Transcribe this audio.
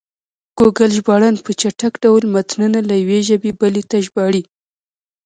ګوګل ژباړن په چټک ډول متنونه له یوې ژبې بلې ته ژباړي.